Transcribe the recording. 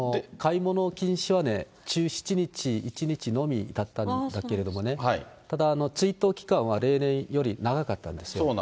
買い物禁止はね、１７日、１日のみだったんだけれどもね、ただ、追悼期間は例年より長かったんですよ。